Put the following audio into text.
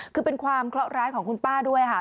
คือเป็นความเคราะหร้ายของคุณป้าด้วยค่ะ